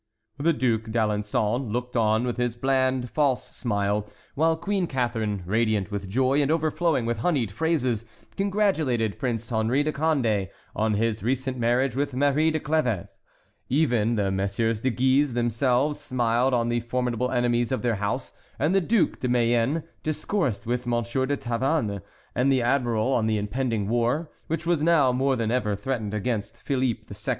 The Duc d'Alençon looked on, with his bland, false smile, while Queen Catharine, radiant with joy and overflowing with honeyed phrases, congratulated Prince Henry de Condé on his recent marriage with Marie de Clèves; even the Messieurs de Guise themselves smiled on the formidable enemies of their house, and the Duc de Mayenne discoursed with M. de Tavannes and the admiral on the impending war, which was now more than ever threatened against Philippe II.